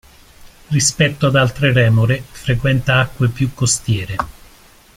Rispetto ad altre remore frequenta acque più costiere.